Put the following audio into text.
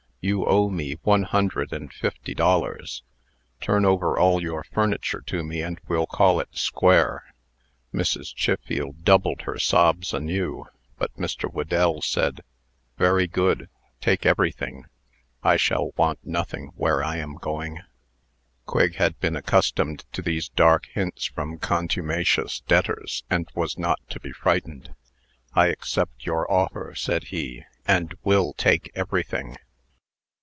You owe me one hundred and fifty dollars. Turn over all your furniture to me, and we'll call it square." Mrs. Chiffield doubled her sobs anew. But Mr. Whedell said, "Very good. Take everything, I shall want nothing where I am going." Quigg had been accustomed to these dark hints from contumacious debtors, and was not to be frightened. "I accept your offer," said he, "and will take everything."